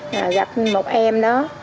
rồi gặp một em đó